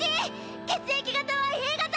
血液型はＡ型！